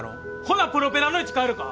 ほなプロペラの位置変えるか？